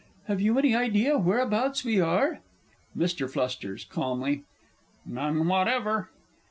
Have you any idea whereabouts we are? MR. F. (calmly). None whatever.